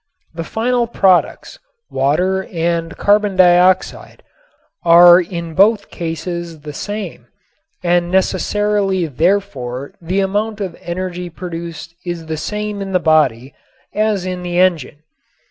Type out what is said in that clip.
The final products, water and carbon dioxide, are in both cases the same and necessarily therefore the amount of energy produced is the same in the body as in the engine.